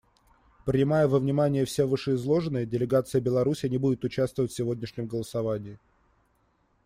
Принимая во внимание все вышеизложенное, делегация Беларуси не будет участвовать в сегодняшнем голосовании.